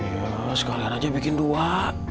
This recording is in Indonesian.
ya sekalian aja bikin dua